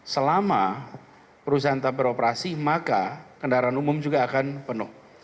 selama perusahaan tak beroperasi maka kendaraan umum juga akan penuh